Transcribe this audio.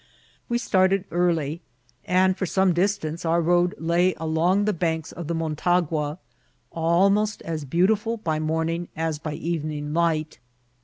We started early, and for some distance our road lay along the banks of the Motagua, almost as beauti ful by morning as by evening light.